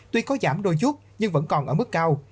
tuy có giảm đôi chút nhưng vẫn còn ở mức cao